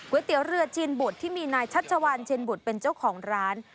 เตี๋ยวเรือจีนบุตรที่มีนายชัชวานชินบุตรเป็นเจ้าของร้าน